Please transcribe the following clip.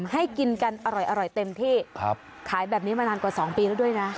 ให้กินกันอร่อยเต็มที่ขายแบบนี้มานานกว่า๒ปีแล้วด้วยนะ